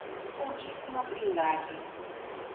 Santíssima Trindade